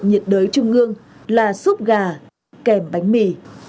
ở bệnh viện nhiệt đới trung ương là suất gà kèm bánh mì